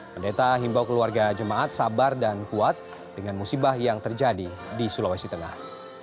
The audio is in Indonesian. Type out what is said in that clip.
pendeta himbau keluarga jemaat sabar dan kuat dengan musibah yang terjadi di sulawesi tengah